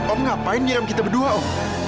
om ngapain nyiram kita berdua om